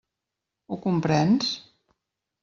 Ho comprens?